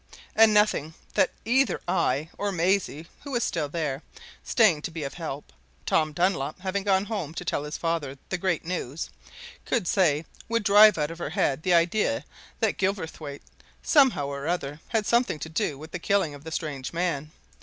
And nothing that either I or Maisie who was still there, staying to be of help, Tom Dunlop having gone home to tell his father the great news could say would drive out of her head the idea that Gilverthwaite, somehow or other, had something to do with the killing of the strange man.